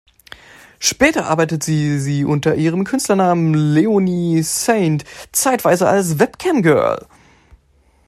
Später arbeitete sie unter ihrem Künstlernamen Leonie Saint zeitweise als Webcam-Girl.